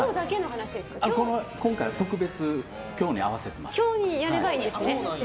今回は特別、今日に合わせています。